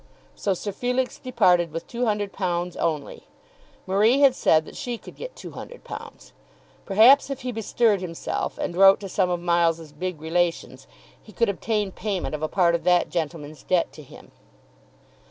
So Sir Felix departed with £200 only. Marie had said that she could get £200. Perhaps if he bestirred himself and wrote to some of Miles's big relations he could obtain payment of a part of that gentleman's debt to him.